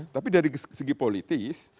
tapi dari segi politis